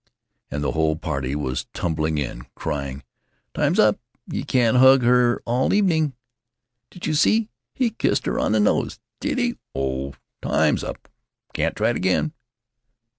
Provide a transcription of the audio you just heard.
And the whole party was tumbling in, crying: "Time 's up! You can't hug her all evening!" "Did you see? He kissed her on the nose!" "Did he? Ohhhhh!" "Time 's up. Can't try it again."